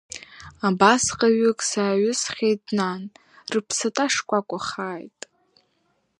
Абасҟаҩык саҩысххьеит, нан, рыԥсаҭа шкәакәахааит!